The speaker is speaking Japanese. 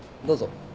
どうぞ。